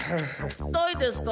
大ですか？